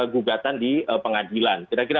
gugatan di pengadilan kira kira